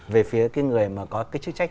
về phía cái người mà có cái chức trách